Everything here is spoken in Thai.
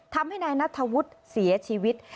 ทำให้นายนัทธวุฒิเสียชีวิต